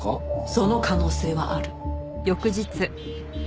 その可能性はある。